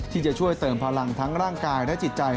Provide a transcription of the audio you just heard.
ที่จะช่วยเติมพลังทั้งร่างกายและจิตใจ